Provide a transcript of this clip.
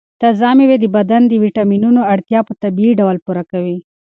تازه مېوې د بدن د ویټامینونو اړتیا په طبیعي ډول پوره کوي.